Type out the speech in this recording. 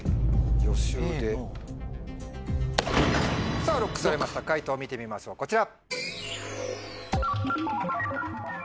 さぁＬＯＣＫされました解答見てみましょうこちら。